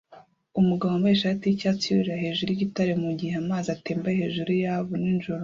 Umugabo wambaye ishati yicyatsi yurira hejuru yigitare mugihe amazi atemba hejuru yabo nijoro